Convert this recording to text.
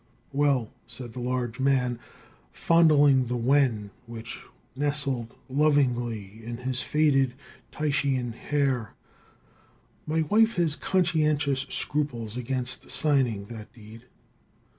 "Well," said the large man, fondling the wen which nestled lovingly in his faded Titian hair, "my wife has conscientious scruples against signing that deed.